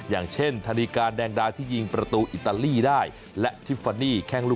อย่างเช่นธนิกานแดงดาที่ยิงประตูอิตาลีได้